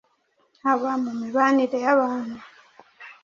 haba mu mibanire y’abantu,